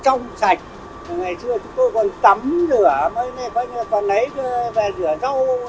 trong sạch ngày xưa chúng tôi còn tắm rửa còn lấy về rửa rau